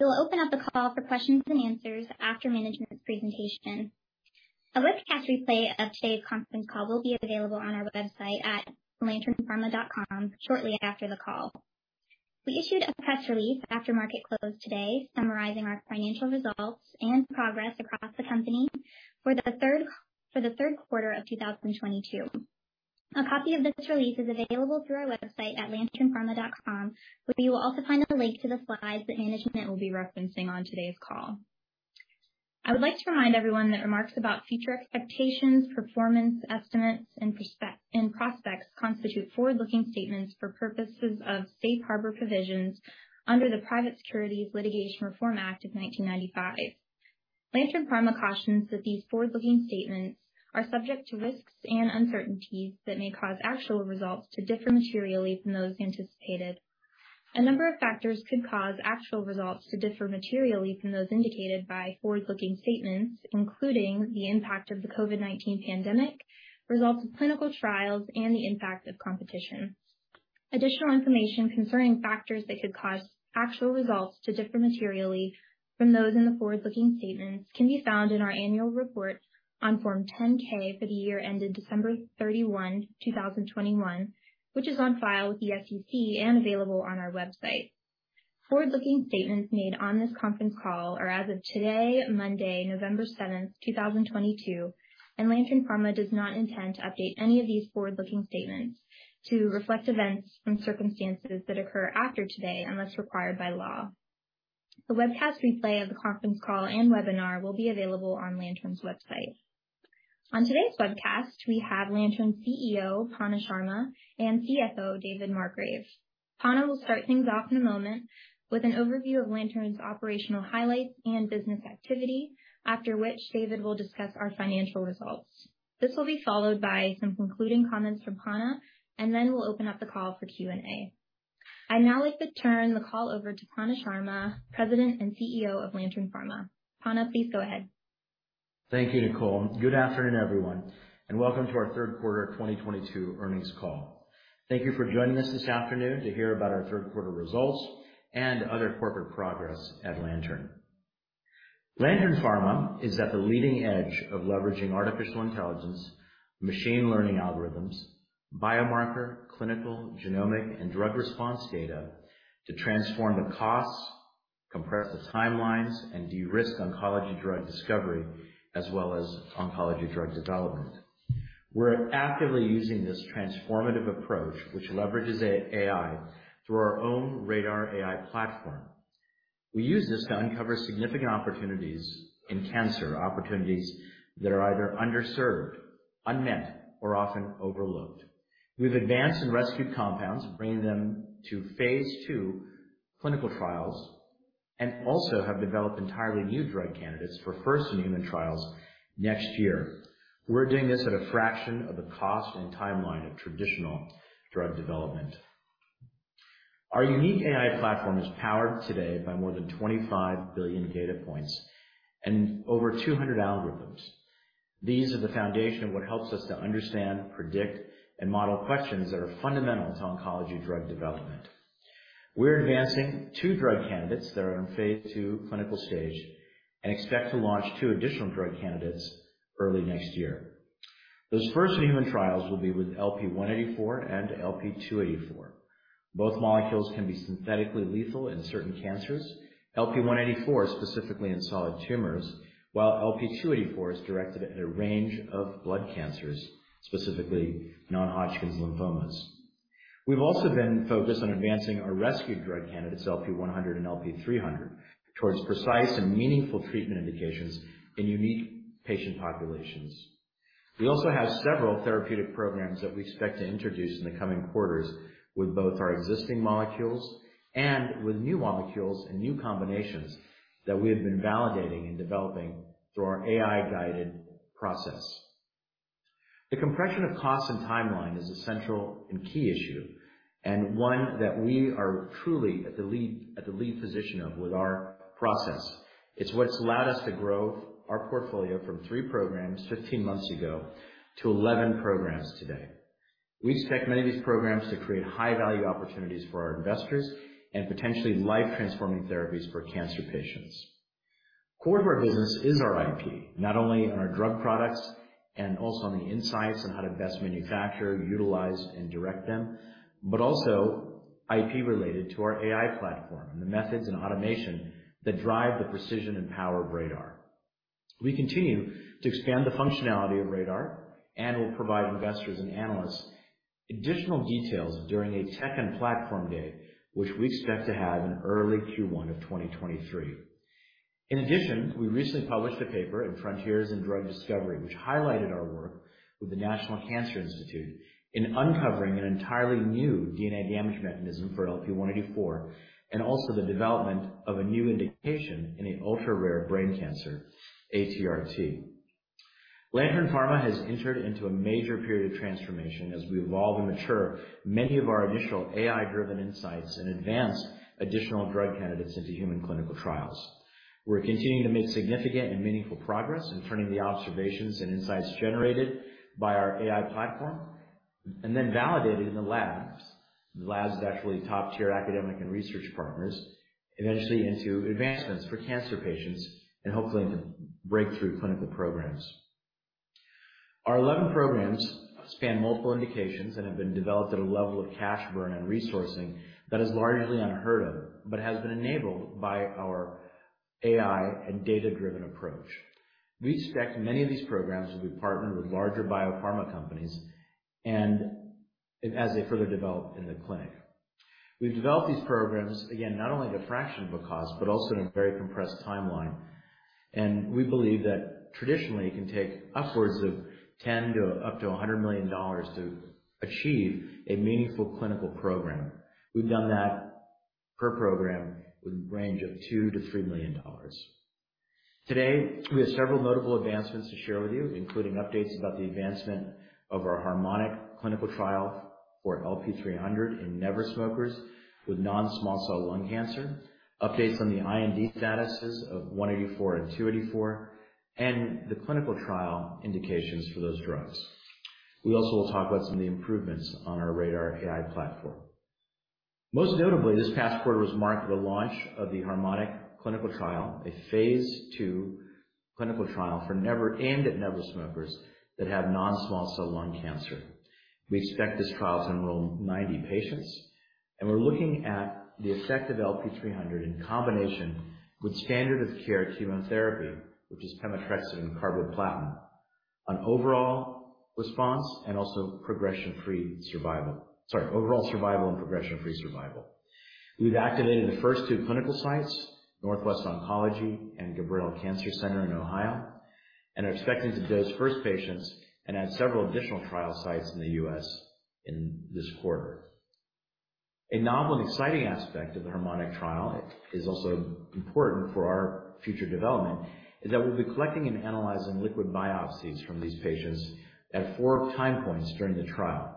We'll open up the call for questions and answers after management's presentation. A webcast replay of today's conference call will be available on our website at lanternpharma.com shortly after the call. We issued a press release after market close today summarizing our financial results and progress across the company for the Q3 of 2022. A copy of this release is available through our website at lanternpharma.com, where you will also find a link to the slides that management will be referencing on today's call. I would like to remind everyone that remarks about future expectations, performance estimates, and prospects constitute forward-looking statements for purposes of safe harbor provisions under the Private Securities Litigation Reform Act of 1995. Lantern Pharma cautions that these forward-looking statements are subject to risks and uncertainties that may cause actual results to differ materially from those anticipated. A number of factors could cause actual results to differ materially from those indicated by forward-looking statements, including the impact of the COVID-19 pandemic, results of clinical trials, and the impact of competition. Additional information concerning factors that could cause actual results to differ materially from those in the forward-looking statements can be found in our annual report on Form 10-K for the year ended December 31, 2021, which is on file with the SEC and available on our website. Forward-looking statements made on this conference call are as of today, Monday, November 7, 2022, and Lantern Pharma does not intend to update any of these forward-looking statements to reflect events and circumstances that occur after today, unless required by law. The webcast replay of the conference call and webinar will be available on Lantern's website. On today's webcast, we have Lantern's CEO, Panna Sharma, and CFO, David Margrave. Panna will start things off in a moment with an overview of Lantern's operational highlights and business activity, after which David will discuss our financial results. This will be followed by some concluding comments from Panna, and then we'll open up the call for Q&A. I'd now like to turn the call over to Panna Sharma, President and CEO of Lantern Pharma. Panna, please go ahead. Thank you, Nicole. Good afternoon, everyone, and welcome to our Q3 2022 earnings call. Thank you for joining us this afternoon to hear about our Q3 results and other corporate progress at Lantern. Lantern Pharma is at the leading edge of leveraging artificial intelligence, machine learning algorithms, biomarker, clinical, genomic, and drug response data to transform the costs, compress the timelines, and de-risk oncology drug discovery, as well as oncology drug development. We're actively using this transformative approach, which leverages AI through our own RADR AI platform. We use this to uncover significant opportunities in cancer, opportunities that are either underserved, unmet, or often overlooked. We've advanced and rescued compounds, bringing them to phase II clinical trials, and also have developed entirely new drug candidates for first in human trials next year. We're doing this at a fraction of the cost and timeline of traditional drug development. Our unique AI platform is powered today by more than 25 billion data points and over 200 algorithms. These are the foundation of what helps us to understand, predict, and model questions that are fundamental to oncology drug development. We're advancing 2 drug candidates that are in phase II clinical stage and expect to launch 2 additional drug candidates early next year. Those first in human trials will be with LP-184 and LP-284. Both molecules can be synthetically lethal in certain cancers, LP-184 specifically in solid tumors, while LP-284 is directed at a range of blood cancers, specifically non-Hodgkin's lymphomas. We've also been focused on advancing our rescue drug candidates, LP-100 and LP-300, towards precise and meaningful treatment indications in unique patient populations. We also have several therapeutic programs that we expect to introduce in the coming quarters with both our existing molecules and with new molecules and new combinations that we have been validating and developing through our AI-guided process. The compression of cost and timeline is a central and key issue and 1 that we are truly at the lead position of with our process. It's what's allowed us to grow our portfolio from 3 programs 15 months ago to 11 programs today. We expect many of these programs to create high-value opportunities for our investors and potentially life-transforming therapies for cancer patients. Core to our business is our IP, not only on our drug products and also on the insights on how to best manufacture, utilize, and direct them, but also IP related to our AI platform and the methods and automation that drive the precision and power of RADR. We continue to expand the functionality of RADR and will provide investors and analysts additional details during a tech and platform day, which we expect to have in early Q1 of 2023. In addition, we recently published a paper in Frontiers in Drug Discovery, which highlighted our work with the National Cancer Institute in uncovering an entirely new DNA damage mechanism for LP-184, and also the development of a new indication in an ultra-rare brain cancer, ATRT. Lantern Pharma has entered into a major period of transformation as we evolve and mature many of our initial AI-driven insights and advance additional drug candidates into human clinical trials. We're continuing to make significant and meaningful progress in turning the observations and insights generated by our AI platform, and then validating them in the labs of actually top-tier academic and research partners, eventually into advancements for cancer patients and hopefully into breakthrough clinical programs. Our 11 programs span multiple indications and have been developed at a level of cash burn and resourcing that is largely unheard of, but has been enabled by our AI and data-driven approach. We expect many of these programs will be partnered with larger biopharma companies and as they further develop in the clinic. We've developed these programs, again, not only at a fraction of the cost, but also in a very compressed timeline. We believe that traditionally it can take upwards of $10 to up to $100 million to achieve a meaningful clinical program. We've done that per program with a range of $2 million to $3 million. Today, we have several notable advancements to share with you, including updates about the advancement of our Harmonic clinical trial for LP-300 in never smokers with non-small cell lung cancer, updates on the IND statuses of LP-184 and LP-284, and the clinical trial indications for those drugs. We also will talk about some of the improvements on our RADR AI platform. Most notably, this past quarter was marked with the launch of the Harmonic clinical trial, a phase II clinical trial aimed at never smokers that have non-small cell lung cancer. We expect this trial to enroll 90 patients, and we're looking at the effect of LP-300 in combination with standard of care chemotherapy, which is pemetrexed and carboplatin, on overall response and also progression-free survival. Sorry, overall survival and progression-free survival. We've activated the first 2 clinical sites, Northwest Oncology and Gabrail Cancer Center in Ohio, and are expecting to dose first patients and add several additional trial sites in the US in this quarter. A novel and exciting aspect of the Harmonic trial is also important for our future development, is that we'll be collecting and analyzing liquid biopsies from these patients at 4 time points during the trial.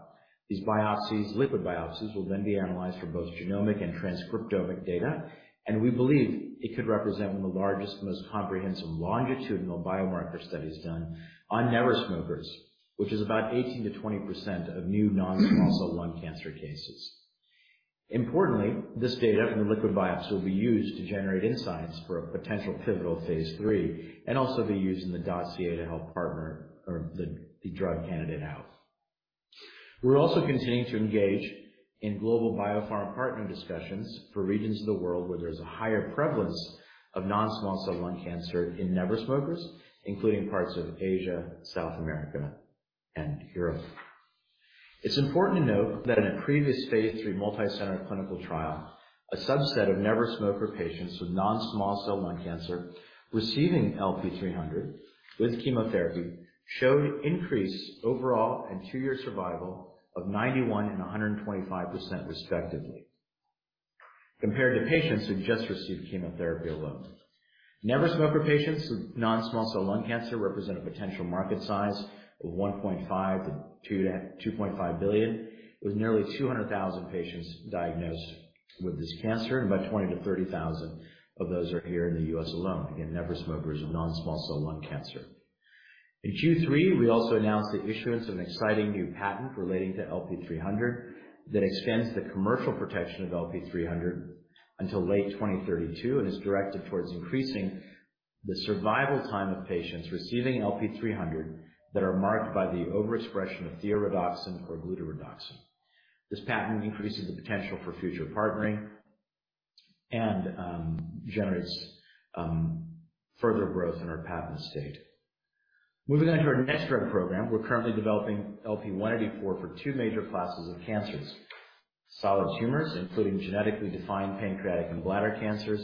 These biopsies, liquid biopsies, will then be analyzed for both genomic and transcriptomic data, and we believe it could represent one of the largest, most comprehensive longitudinal biomarker studies done on never smokers, which is about 18% to 20% of new non-small cell lung cancer cases. Importantly, this data from the liquid biopsy will be used to generate insights for a potential pivotal phase III and also be used in the dossier to help partner or the drug candidate out. We're also continuing to engage in global biopharma partner discussions for regions of the world where there's a higher prevalence of non-small cell lung cancer in never smokers, including parts of Asia, South America, and Europe. It's important to note that in a previous phase III multi-center clinical trial, a subset of never smoker patients with non-small cell lung cancer receiving LP-300 with chemotherapy showed increased overall and 2-year survival of 91% and 125% respectively compared to patients who just received chemotherapy alone. Never smoker patients with non-small cell lung cancer represent a potential market size of $1.5 billion to $2.5 billion, with nearly 200,000 patients diagnosed with this cancer, and about 20,000 to 30,000 of those are here in the U.S. alone. Again, never smokers with non-small cell lung cancer. In Q3, we also announced the issuance of an exciting new patent relating to LP-300 that extends the commercial protection of LP-300 until late 2032 and is directed towards increasing the survival time of patients receiving LP-300 that are marked by the overexpression of thioredoxin or glutaredoxin. This patent increases the potential for future partnering and generates further growth in our patent estate. Moving on to our next drug program, we're currently developing LP-184 for 2 major classes of cancers, solid tumors, including genetically defined pancreatic and bladder cancers,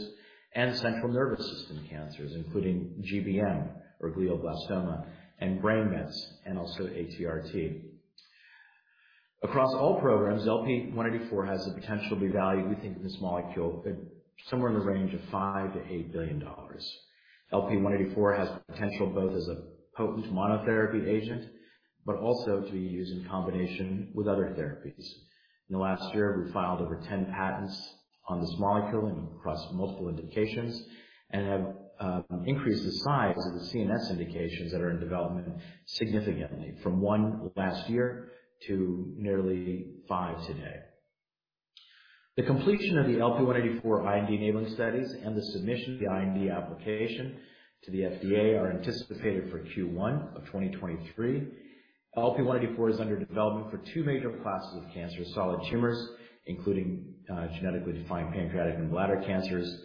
and central nervous system cancers, including GBM or glioblastoma and brain mets and also ATRT. Across all programs, LP-184 has the potential to be valued, we think of this molecule at somewhere in the range of $5 to $8 billion. LP-184 has potential both as a potent monotherapy agent, but also to be used in combination with other therapies. In the last year, we filed over 10 patents on this molecule and across multiple indications and have increased the size of the CNS indications that are in development significantly from 1 last year to nearly 5 today. The completion of the LP-184 IND enabling studies and the submission of the IND application to the FDA are anticipated for Q1 of 2023. LP-184 is under development for 2 major classes of cancer, solid tumors, including genetically defined pancreatic and bladder cancers,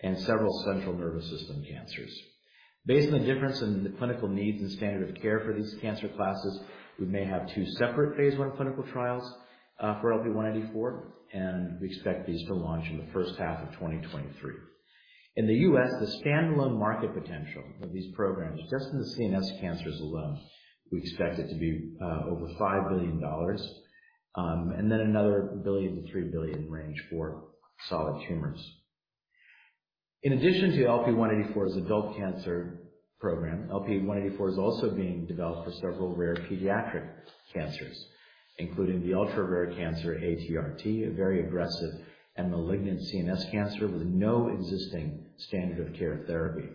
and several central nervous system cancers. Based on the difference in the clinical needs and standard of care for these cancer classes, we may have 2 separate phase I clinical trials for LP-184, and we expect these to launch in the H1 of 2023. In the US, the standalone market potential of these programs, just in the CNS cancers alone, we expect it to be over $5 billion, and then $1 billion to $3 billion range for solid tumors. In addition to LP-184's adult cancer program. LP-184 is also being developed for several rare pediatric cancers, including the ultra rare cancer ATRT, a very aggressive and malignant CNS cancer with no existing standard of care therapy.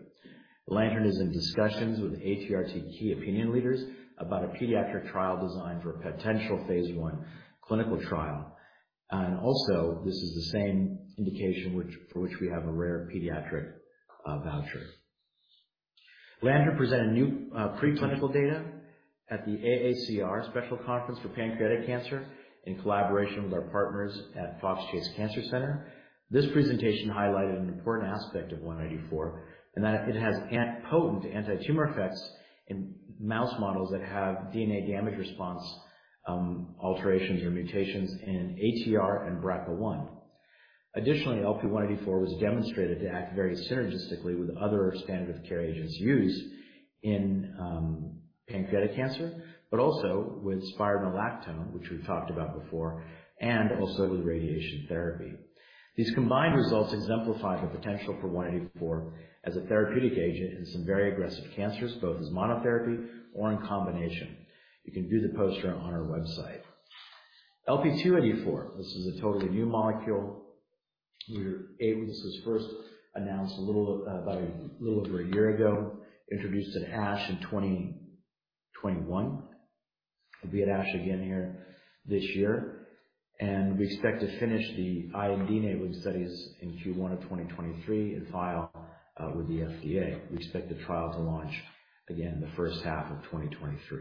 Lantern is in discussions with ATRT key opinion leaders about a pediatric trial design for a potential phase I clinical trial. Also this is the same indication which, for which we have a rare pediatric voucher. Lantern presented new pre-clinical data at the AACR Special Conference for Pancreatic Cancer in collaboration with our partners at Fox Chase Cancer Center. This presentation highlighted an important aspect of LP-184, and that it has a potent anti-tumor effects in mouse models that have DNA damage response alterations or mutations in ATR and BRCA1. Additionally, LP-184 was demonstrated to act very synergistically with other standard of care agents used in pancreatic cancer, but also with spironolactone, which we've talked about before, and also with radiation therapy. These combined results exemplify the potential for LP-184 as a therapeutic agent in some very aggressive cancers, both as monotherapy or in combination. You can view the poster on our website. LP-284, this is a totally new molecule. This was first announced a little over a year ago, introduced at ASH in 2021. It'll be at ASH again here this year, and we expect to finish the IND-enabling studies in Q1 of 2023 and file with the FDA. We expect the trial to launch again in the H1 of 2023.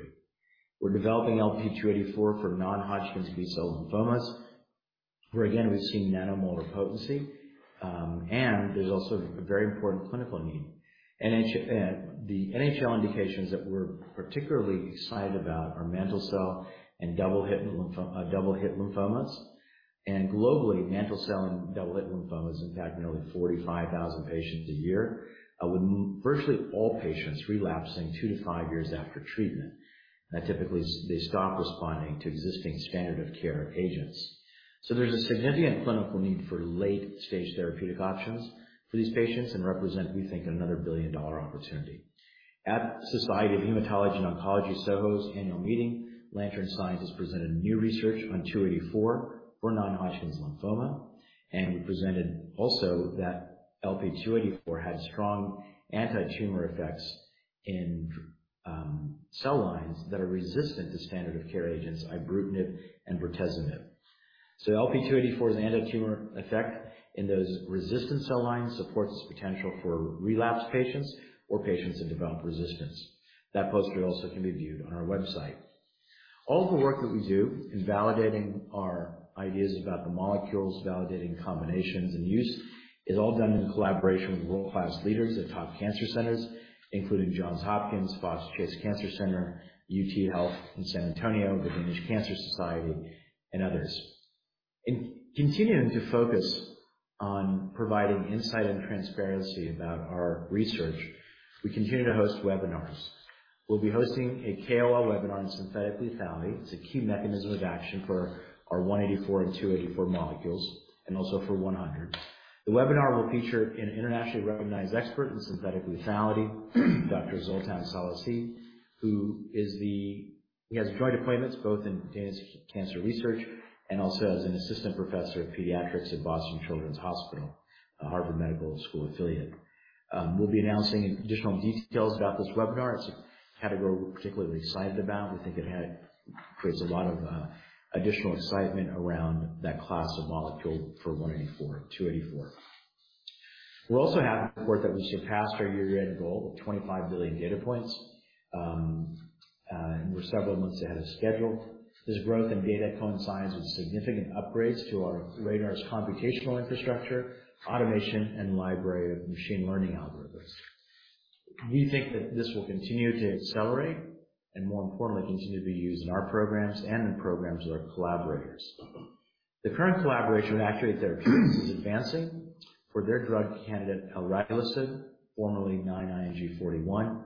We're developing LP-284 for non-Hodgkin's B-cell lymphomas, where again, we've seen nanomolar potency. There's also a very important clinical need. The NHL indications that we're particularly excited about are mantle cell and double-hit lymphomas. Globally, mantle cell and double-hit lymphomas impact nearly 45,000 patients a year, with virtually all patients relapsing 2-5 years after treatment. Typically they stop responding to existing standard of care agents. There's a significant clinical need for late-stage therapeutic options for these patients and represent, we think, another $1 billion opportunity. At Society of Hematologic Oncology, SOHO's annual meeting, Lantern's scientists presented new research on LP-284 for non-Hodgkin's lymphoma, and we presented also that LP-284 had strong anti-tumor effects in cell lines that are resistant to standard of care agents, ibrutinib and bortezomib. LP-284's anti-tumor effect in those resistant cell lines supports its potential for relapse patients or patients that develop resistance. That poster also can be viewed on our website. All of the work that we do in validating our ideas about the molecules, validating combinations and use is all done in collaboration with world-class leaders at top cancer centers, including Johns Hopkins, Fox Chase Cancer Center, UT Health San Antonio, the Danish Cancer Society, and others. In continuing to focus on providing insight and transparency about our research, we continue to host webinars. We'll be hosting a KOL webinar on synthetic lethality. It's a key mechanism of action for our 184 and 284 molecules, and also for 100. The webinar will feature an internationally recognized expert in synthetic lethality, Dr. Zoltan Szallasi, who is the. He has joint appointments both in Danish Cancer Society and also as an assistant professor of pediatrics at Boston Children's Hospital, a Harvard Medical School affiliate. We'll be announcing additional details about this webinar. It's a category we're particularly excited about. We think it creates a lot of additional excitement around that class of molecule for 184 and 284. We're also happy to report that we surpassed our year-end goal of 25 billion data points, and we're several months ahead of schedule. This growth in data coincides with significant upgrades to our RADR's computational infrastructure, automation, and library of machine learning algorithms. We think that this will continue to accelerate and more importantly, continue to be used in our programs and in programs with our collaborators. The current collaboration with Actuate Therapeutics is advancing for their drug candidate, elraglusib, formerly 9-ING-41.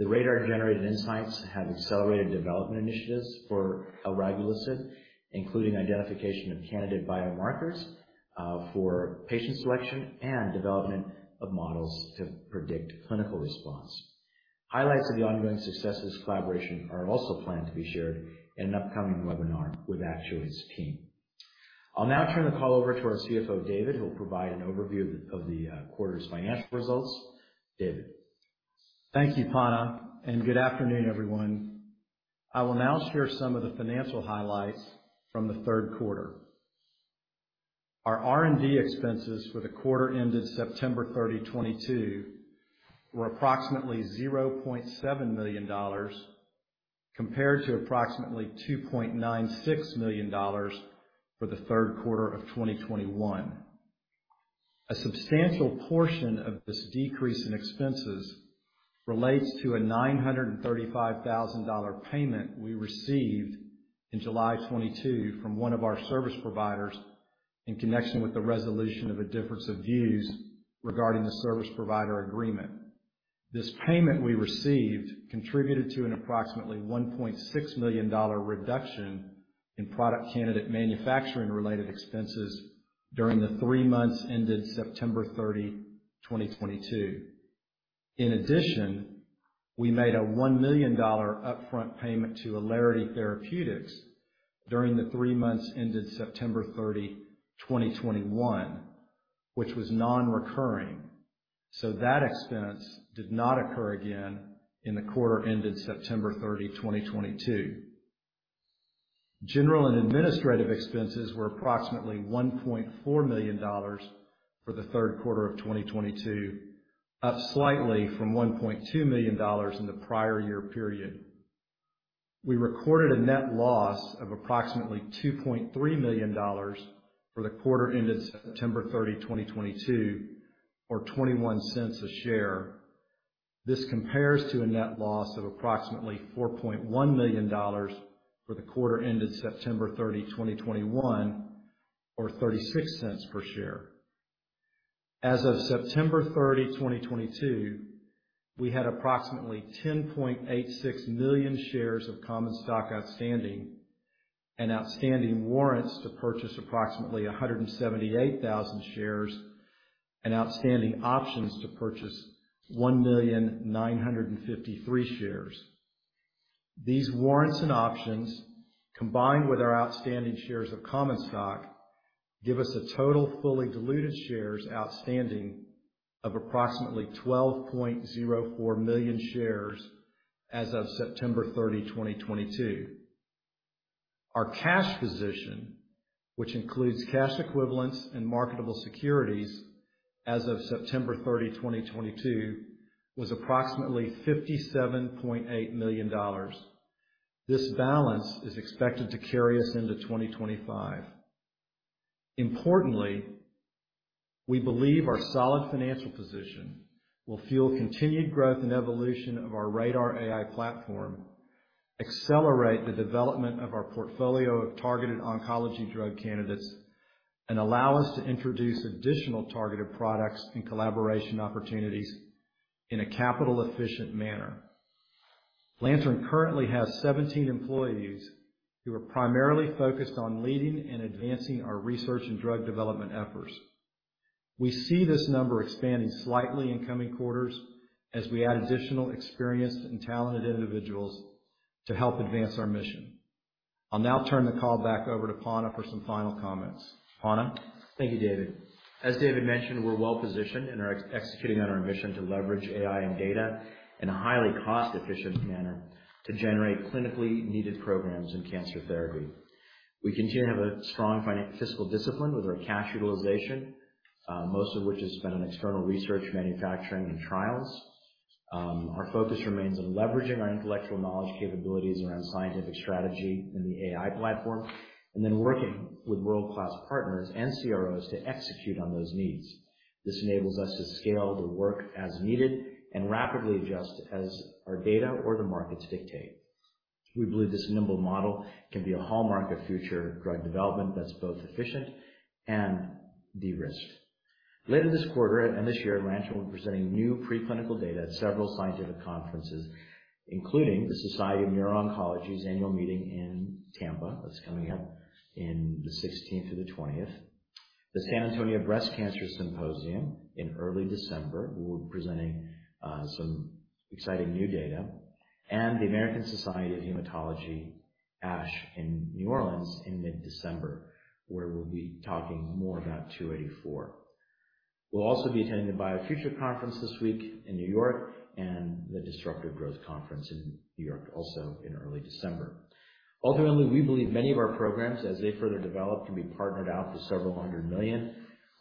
The RADR-generated insights have accelerated development initiatives for elraglusib, including identification of candidate biomarkers, for patient selection and development of models to predict clinical response. Highlights of the ongoing success of this collaboration are also planned to be shared in an upcoming webinar with Actuate's team. I'll now turn the call over to our CFO, David, who will provide an overview of the quarter's financial results. David. Thank you, Panna, and good afternoon, everyone. I will now share some of the financial highlights from the Q3. Our R&D expenses for the quarter ended September 30, 2022 were approximately $0.7 million compared to approximately $2.96 million for the Q3 of 2021. A substantial portion of this decrease in expenses relates to a $935,000 payment we received in July 2022 from one of our service providers in connection with the resolution of a difference of views regarding the service provider agreement. This payment we received contributed to an approximately $1.6 million reduction in product candidate manufacturing-related expenses. During the 3 months ended September 30, 2022. In addition, we made a $1 million upfront payment to Allarity Therapeutics during the 3 months ended September 30, 2021, which was non-recurring, so that expense did not occur again in the quarter ended September 30, 2022. General and administrative expenses were approximately $1.4 million for the Q3 of 2022, up slightly from $1.2 million in the prior year period. We recorded a net loss of approximately $2.3 million for the quarter ended September 30, 2022, or $0.21 per share. This compares to a net loss of approximately $4.1 million for the quarter ended September 30, 2021, or $0.36 per share. As of September 30, 2022, we had approximately 10.86 million shares of common stock outstanding and outstanding warrants to purchase approximately 178,000 shares and outstanding options to purchase 1,000,953 shares. These warrants and options, combined with our outstanding shares of common stock, give us a total fully diluted shares outstanding of approximately 12.04 million shares as of September 30, 2022. Our cash position, which includes cash equivalents and marketable securities as of September 30, 2022, was approximately $57.8 million. This balance is expected to carry us into 2025. Importantly, we believe our solid financial position will fuel continued growth and evolution of our RADR AI platform, accelerate the development of our portfolio of targeted oncology drug candidates, and allow us to introduce additional targeted products and collaboration opportunities in a capital efficient manner. Lantern currently has 17 employees who are primarily focused on leading and advancing our research and drug development efforts. We see this number expanding slightly in coming quarters as we add additional experienced and talented individuals to help advance our mission. I'll now turn the call back over to Panna for some final comments. Panna? Thank you, David. As David mentioned, we're well positioned and are executing on our mission to leverage AI and data in a highly cost-efficient manner to generate clinically needed programs in cancer therapy. We continue to have a strong fiscal discipline with our cash utilization, most of which has been on external research, manufacturing, and trials. Our focus remains on leveraging our intellectual knowledge capabilities around scientific strategy in the AI platform and then working with world-class partners and CROs to execute on those needs. This enables us to scale the work as needed and rapidly adjust as our data or the markets dictate. We believe this nimble model can be a hallmark of future drug development that's both efficient and de-risked. Later this quarter and this year at Lantern, we'll be presenting new pre-clinical data at several scientific conferences, including the Society for Neuro-Oncology's annual meeting in Tampa. That's coming up in the 16th to the 20th. The San Antonio Breast Cancer Symposium in early December. We'll be presenting some exciting new data. The American Society of Hematology, ASH, in New Orleans in mid-December, where we'll be talking more about 284. We'll also be attending the BioFuture conference this week in New York and the Disruptive Growth Conference in New York, also in early December. Ultimately, we believe many of our programs, as they further develop, can be partnered out for several hundred million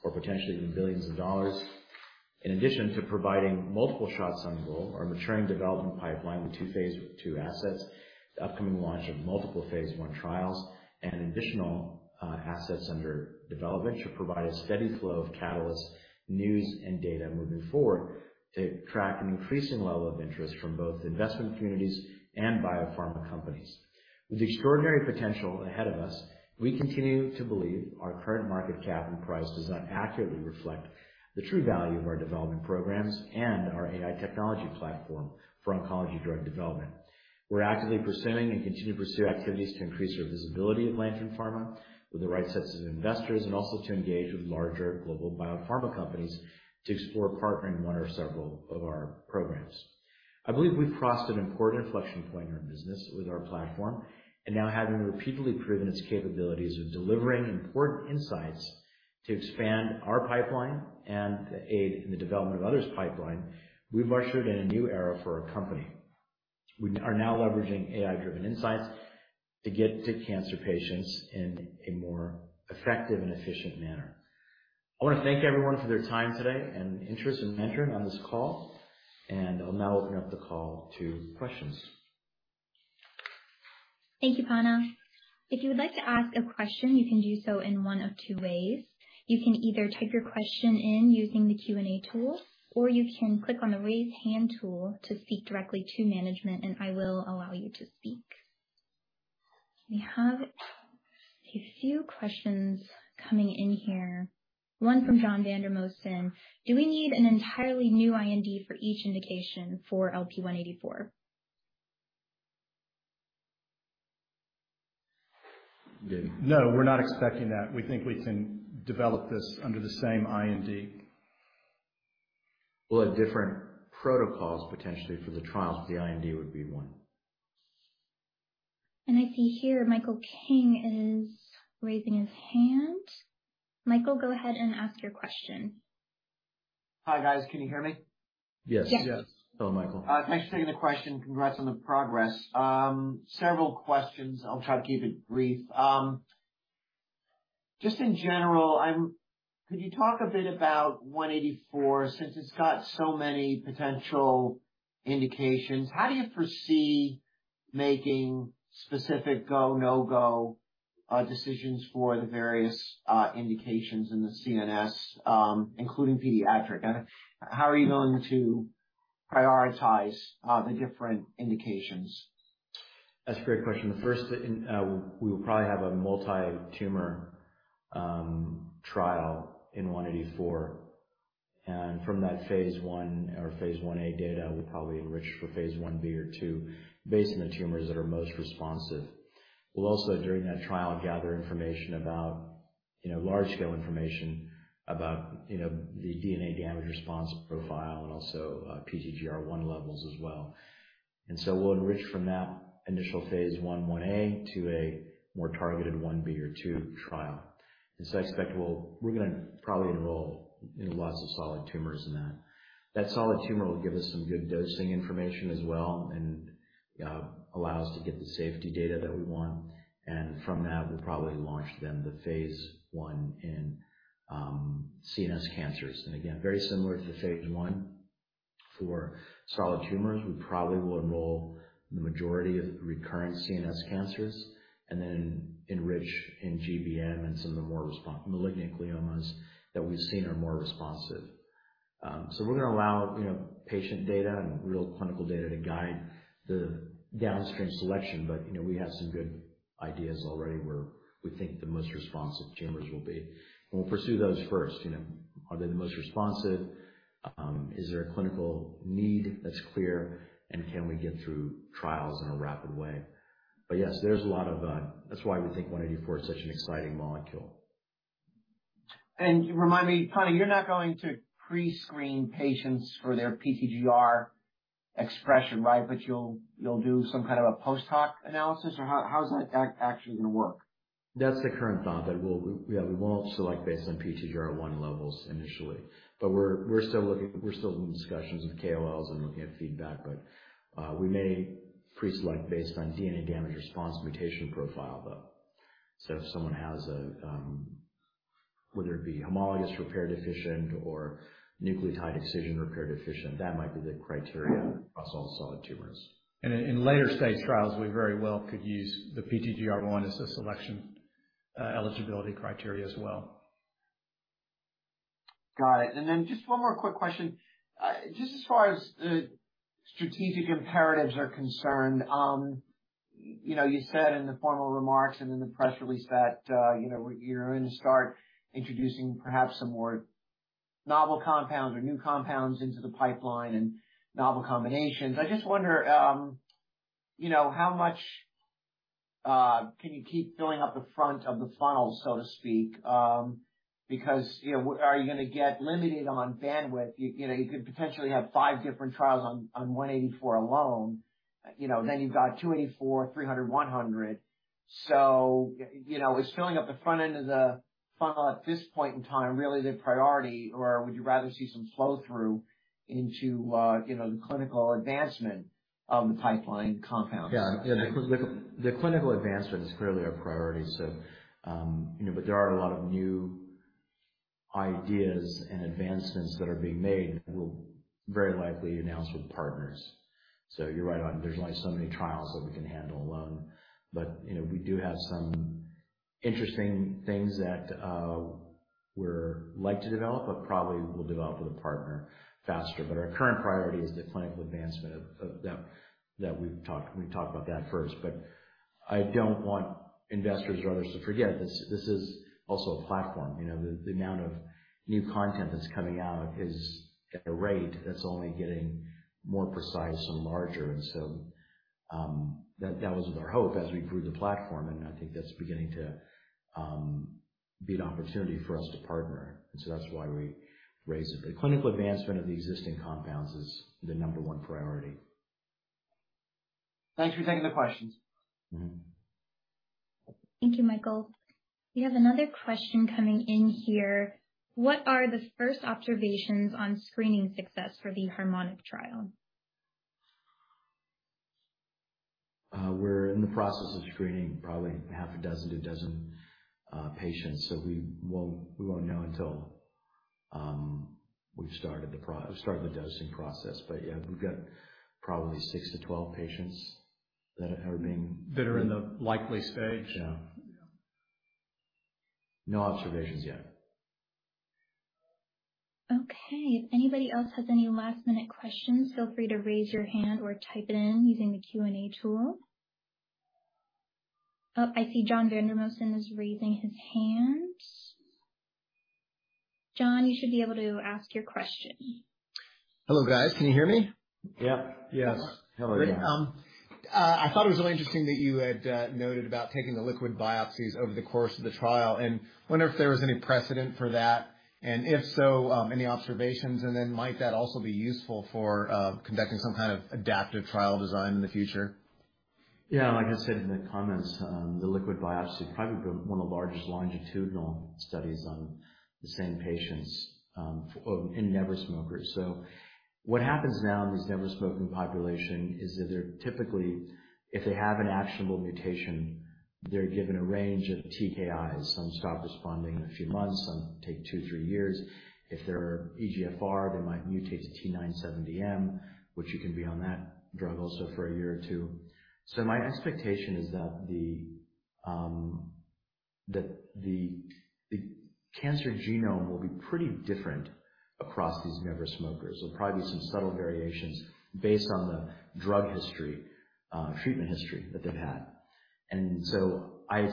or potentially even billions of dollars. In addition to providing multiple shots on goal, our maturing development pipeline with 2 phase II assets, the upcoming launch of multiple phase I trials and additional assets under development should provide a steady flow of catalysts, news, and data moving forward to attract an increasing level of interest from both investment communities and biopharma companies. With extraordinary potential ahead of us, we continue to believe our current market cap and price does not accurately reflect the true value of our development programs and our AI technology platform for oncology drug development. We're actively pursuing and continue to pursue activities to increase our visibility at Lantern Pharma with the right sets of investors and also to engage with larger global biopharma companies to explore partnering 1 or several of our programs. I believe we've crossed an important inflection point in our business with our platform and now having repeatedly proven its capabilities of delivering important insights to expand our pipeline and to aid in the development of others' pipeline, we've ushered in a new era for our company. We are now leveraging AI-driven insights to get to cancer patients in a more effective and efficient manner. I wanna thank everyone for their time today and interest in Lantern on this call, and I'll now open up the call to questions. Thank you, Panna. If you would like to ask a question, you can do so in 1 of 2 ways. You can either type your question in using the Q&A tool, or you can click on the Raise Hand tool to speak directly to management, and I will allow you to speak. We have a few questions coming in here. 1 from John Vandermosten: Do we need an entirely new IND for each indication for LP-184? No, we're not expecting that. We think we can develop this under the same IND. At different protocols, potentially for the trials, but the IND would be 1. I see here Michael King is raising his hand. Michael, go ahead and ask your question. Hi, guys. Can you hear me? Yes. Yes. Yes. Hello, Michael. Thanks for taking the question. Congrats on the progress. Several questions. I'll try to keep it brief. Just in general, could you talk a bit about LP-184 since it's got so many potential indications? How do you foresee making specific go, no-go decisions for the various indications in the CNS, including pediatric? How are you going to prioritize the different indications? That's a great question. First, in we will probably have a multi-tumor trial in LP-184. From that phase I or phase I-A data, we'll probably enrich for phase I-B or 2 based on the tumors that are most responsive. We'll also, during that trial, gather information about you know, large-scale information about you know, the DNA damage response profile and also PTGR1 levels as well. We'll enrich from that initial phase I-A to a more targeted I-B or 2 trial. I expect we're gonna probably enroll you know, lots of solid tumors in that. That solid tumor will give us some good dosing information as well and allow us to get the safety data that we want. From that, we'll probably launch then the phase I in CNS cancers. Again, very similar to the phase I. For solid tumors, we probably will enroll the majority of recurrent CNS cancers and then enrich in GBM and some of the more malignant gliomas that we've seen are more responsive. We're gonna allow, you know, patient data and real clinical data to guide the downstream selection, but, you know, we have some good ideas already where we think the most responsive tumors will be. We'll pursue those first, you know. Are they the most responsive? Is there a clinical need that's clear? And can we get through trials in a rapid way? Yes, there's a lot of, that's why we think 184 is such an exciting molecule. Remind me, Panna you're not going to pre-screen patients for their PTGR expression, right? But you'll do some kind of a post-hoc analysis? Or how is that actually gonna work? That's the current thought, that we won't select based on PTGR1 levels initially. We're still looking, we're still in discussions with KOLs and looking at feedback, but we may pre-select based on DNA damage response mutation profile, though. If someone has a whether it be homologous repair deficient or nucleotide excision repair deficient, that might be the criteria across all solid tumors. In later stage trials, we very well could use the PTGR1 as a selection eligibility criteria as well. Got it. Just 1 more quick question. Just as far as the strategic imperatives are concerned, you know, you said in the formal remarks and in the press release that, you know, you're going to start introducing perhaps some more novel compounds or new compounds into the pipeline and novel combinations. I just wonder, you know, how much can you keep filling up the front of the funnel, so to speak? Because, you know, are you gonna get limited on bandwidth? You know, you could potentially have 5 different trials on LP-184 alone. You know, then you've got LP-284, LP-300, LP-100. you know, is filling up the front end of the funnel at this point in time really the priority, or would you rather see some flow-through into, you know, the clinical advancement of the pipeline compounds? The clinical advancement is clearly our priority, so, you know, but there are a lot of new ideas and advancements that are being made that we'll very likely announce with partners. You're right on, there's only so many trials that we can handle alone. You know, we do have some interesting things that we'd like to develop, but probably we'll develop with a partner faster. Our current priority is the clinical advancement of that we've talked. We can talk about that first. I don't want investors or others to forget this is also a platform. You know, the amount of new content that's coming out is at a rate that's only getting more precise and larger. That was our hope as we grew the platform, and I think that's beginning to be an opportunity for us to partner. That's why we raised it. The clinical advancement of the existing compounds is the number 1 priority. Thanks for taking the questions. Mm-hmm. Thank you, Michael. We have another question coming in here. What are the first observations on screening success for the Harmonic trial? We're in the process of screening probably 6 to 12 patients, so we won't know until we've started the dosing process. We've got probably 6-12 patients that are being- That are in the likely stage. Yeah. Yeah. No observations yet. Okay. If anybody else has any last-minute questions, feel free to raise your hand or type it in using the Q&A tool. Oh, I see John Vandermosten is raising his hand. John, you should be able to ask your question. Hello, guys. Can you hear me? Yes. Hello again. I thought it was really interesting that you had noted about taking the liquid biopsies over the course of the trial. I wonder if there was any precedent for that, and if so, any observations, and then might that also be useful for conducting some kind of adaptive trial design in the future? Like I said in the comments, the liquid biopsy is probably 1 of the largest longitudinal studies on the same patients for in never smokers. What happens now in this never smoking population is that they're typically, if they have an actionable mutation, they're given a range of TKIs. Some stop responding in a few months, some take 2, 3 years. If they're EGFR, they might mutate to T790M, which you can be on that drug also for a year or 2. My expectation is that the cancer genome will be pretty different across these never smokers. There'll probably be some subtle variations based on the drug history, treatment history that they've had. I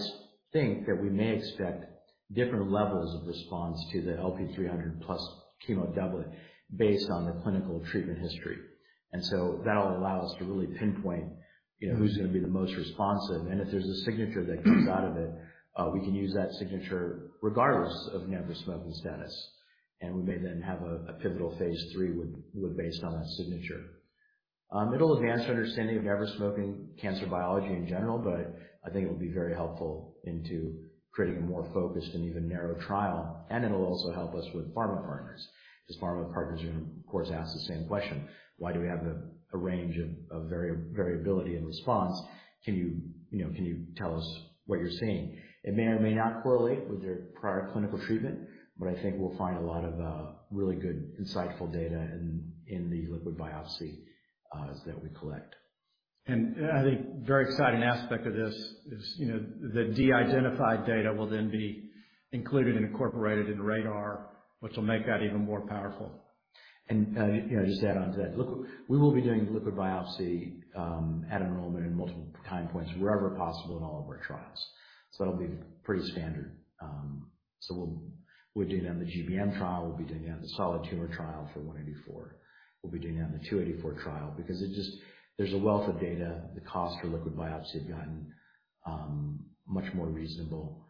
think that we may expect different levels of response to the LP-300 plus chemo doublet based on their clinical treatment history. That'll allow us to really pinpoint, you know, who's gonna be the most responsive. If there's a signature that comes out of it, we can use that signature regardless of never smoking status. We may then have a pivotal phase III with based on that signature. It'll advance our understanding of never smoking cancer biology in general, but I think it will be very helpful in creating a more focused and even narrow trial. It'll also help us with pharma partners, 'cause pharma partners are gonna, of course, ask the same question, "Why do we have a range of variability in response? Can you know, can you tell us what you're seeing?" It may or may not correlate with their prior clinical treatment, but I think we'll find a lot of really good, insightful data in the liquid biopsy that we collect. I think a very exciting aspect of this is, you know, the de-identified data will then be included and incorporated into RADR, which will make that even more powerful. You know, just to add on to that. Look, we will be doing liquid biopsy at enrollment in multiple time points wherever possible in all of our trials. That'll be pretty standard. We'll be doing it on the GBM trial, we'll be doing it on the solid tumor trial for LP-184. We'll be doing it on the LP-284 trial because there's a wealth of data. The cost for liquid biopsy have gotten much more reasonable.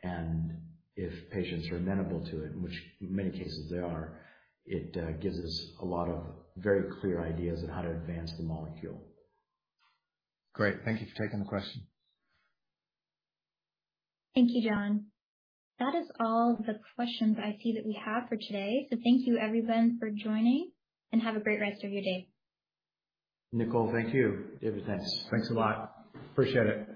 If patients are amenable to it, in which in many cases they are, it gives us a lot of very clear ideas on how to advance the molecule. Great. Thank you for taking the question. Thank you, John. That is all the questions I see that we have for today. Thank you, everyone, for joining and have a great rest of your day. Nicole, thank you. Thanks a lot. Appreciate it.